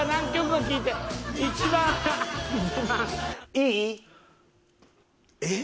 いい？えっ？